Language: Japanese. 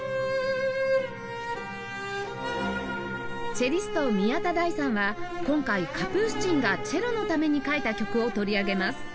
チェリスト宮田大さんは今回カプースチンがチェロのために書いた曲を取り上げます